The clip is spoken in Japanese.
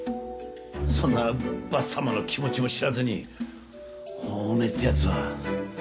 そんなばっさまの気持ちも知らずにおめえってやつは。